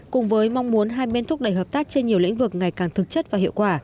cùng với mong muốn hai bên thúc đẩy hợp tác trên nhiều lĩnh vực ngày càng thực chất và hiệu quả